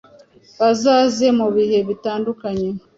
bazaze mu bihe bitandukanye